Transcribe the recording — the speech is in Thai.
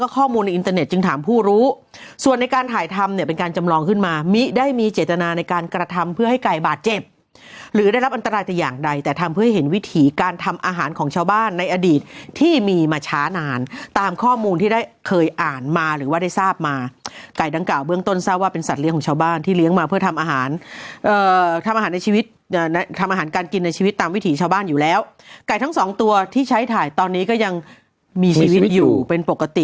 การกระทำเพื่อให้ไก่บาดเจ็บหรือได้รับอันตรายแต่อย่างใดแต่ทำเพื่อให้เห็นวิถีการทำอาหารของชาวบ้านในอดีตที่มีมาช้านานตามข้อมูลที่ได้เคยอ่านมาหรือว่าได้ทราบมาไก่ดังกล่าวเบื้องต้นทราบว่าเป็นสัตว์เลี้ยงของชาวบ้านที่เลี้ยงมาเพื่อทำอาหารเอ่อทำอาหารในชีวิตเอ่อท